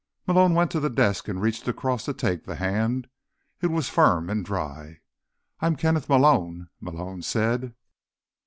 Malone went to the desk and reached across to take the hand. It was firm and dry. "I'm Kenneth Malone," Malone said.